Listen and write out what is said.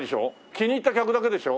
気に入った客だけでしょ？